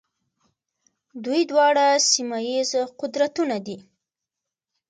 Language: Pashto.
دوی دواړه سیمه ییز قدرتونه دي.